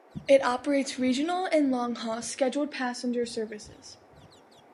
It operates regional and long-haul scheduled passenger services.